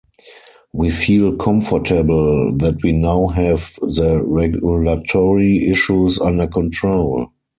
We feel comfortable that we now have the regulatory issues under control.